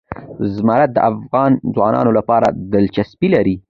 زمرد د افغان ځوانانو لپاره دلچسپي لري.